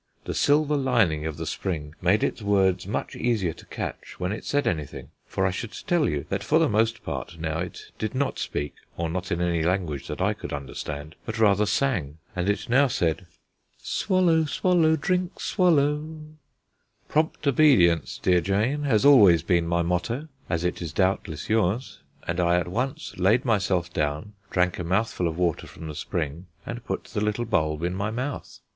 The silver lining of the spring made its words much easier to catch when it said anything for I should tell you that for the most part now it did not speak, or not in any language that I could understand, but rather sang and it now said, "Swallow swallow, drink, swallow." Prompt obedience, dear Jane, has always been my motto, as it is doubtless yours, and I at once laid myself down, drank a mouthful of water from the spring, and put the little bulb in my mouth.